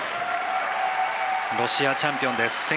ロシアチャンピオンです。